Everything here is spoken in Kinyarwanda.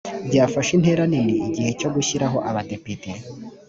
byafashe intera nini igihe cyo gushyiraho abadepite